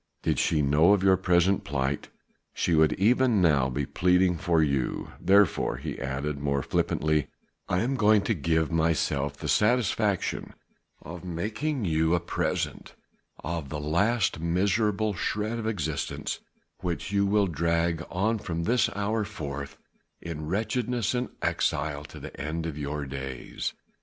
Did she know of your present plight, she would even now be pleading for you: therefore," he added more flippantly, "I am going to give myself the satisfaction of making you a present of the last miserable shred of existence which you will drag on from this hour forth in wretchedness and exile to the end of your days.